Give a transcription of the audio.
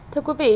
thưa quý vị